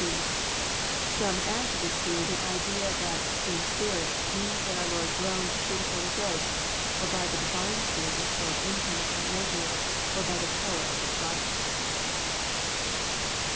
(6) Some add to this view the idea that <* in spirit" means that our Lord groaned through the Holy Ghost, or by the Divine Spirit which dwelt in Him without measure, or by the power of His Godhead.